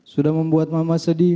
sudah membuat mama sedih